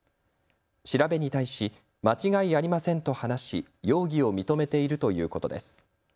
調べに対し間違いありませんと話し容疑を認めているということです。